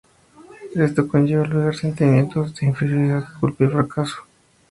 Esto conlleva albergar sentimientos de inferioridad, culpa y fracaso.